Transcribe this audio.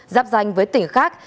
giáp danh với tỉnh khác